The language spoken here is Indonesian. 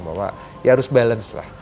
bahwa ya harus balance lah